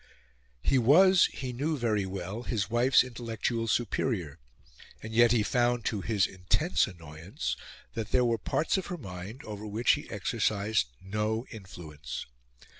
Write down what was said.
He was, he knew very well, his wife's intellectual superior, and yet he found, to his intense annoyance, that there were parts of her mind over which he exercised no influence.